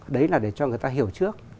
đấy là để cho người ta hiểu trước